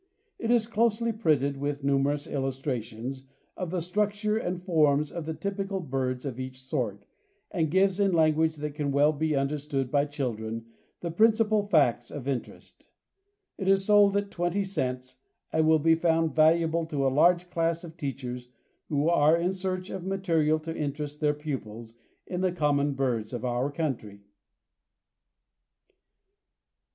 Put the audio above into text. It is closely printed with numerous illustrations of the structure and forms of the typical birds of each sort, and gives in language that can well be understood by children, the principal facts of interest. It is sold at 20 cents, and will be found valuable to a large class of teachers who are in search of material to interest their pupils in the common birds of our country.